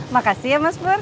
makasih ya mas pur